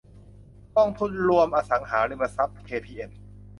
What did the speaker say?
กองทุนรวมอสังหาริมทรัพย์เคพีเอ็น